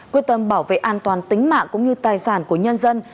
quyết tâm bảo vệ an toàn tính mạng cũng như tài sản của nhân dân